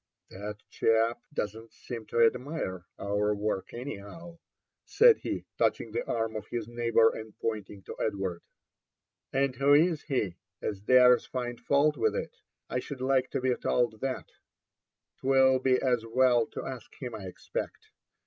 *' That chap don't seem to admire our work anyhow," said he, touching the arm of his neighbour and pointing to Edward. ,'* And who is he as dares find fault with it ?— I should like to be told that. 'Twill be as well to ask him, I expect.